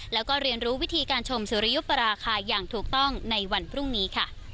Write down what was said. แล้วก็เรียนรู้วิธีการชมสุริยุปราคาอย่างถูกต้องในวันพรุ่งนี้ค่ะ